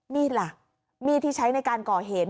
มีดล่ะมีดที่ใช้ในการก่อเหตุ